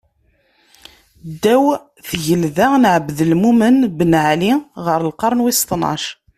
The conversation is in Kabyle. Ddaw tgelda n Ɛebdelmumen Ben Ɛli ɣer lqern wis tnac.